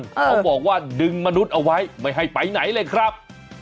เขาบอกว่าดึงมนุษย์เอาไว้ไม่ให้ไปไหนเลยครับ